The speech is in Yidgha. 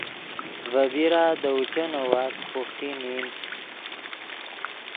ڤے بیرا دے اوچینو واست بوخٹی نین